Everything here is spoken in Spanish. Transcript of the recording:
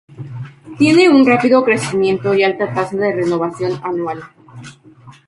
Tiene un rápido crecimiento y alta tasa de renovación anual.